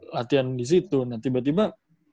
latihan di situ nah tiba tiba